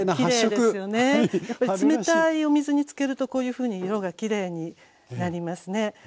やっぱり冷たいお水につけるとこういうふうに色がきれいになりますね。